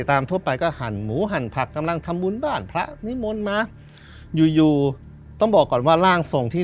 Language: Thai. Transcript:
ทั่วไปก็หั่นหมูหั่นผักกำลังทำบุญบ้านพระนิมนต์มาอยู่อยู่ต้องบอกก่อนว่าร่างทรงที่